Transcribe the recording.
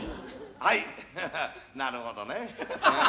はい、なるほどね。